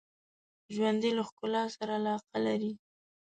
ژوندي له ښکلا سره علاقه لري